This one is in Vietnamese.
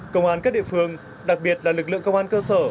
công an các địa phương đặc biệt là lực lượng công an cơ sở